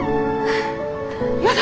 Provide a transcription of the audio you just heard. やだ！